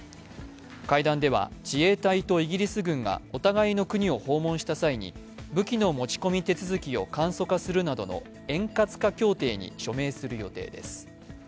会談では自衛隊とイギリス軍がお互いの国を訪問した際に武器の持ち込み手続きを簡素化するなどの円滑化協定に署名する予定です。